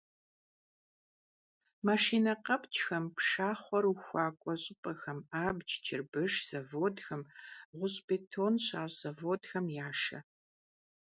Машинэ къэпкӀхэм пшахъуэр ухуакӀуэ щӀыпӀэхэм, абдж, чырбыш заводхэм, гъущӀ-бетон щащӀ заводхэм яшэ.